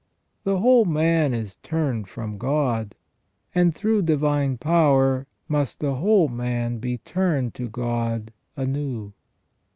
The whole man is turned from God, and through divine power must the whole man be turned to God anew.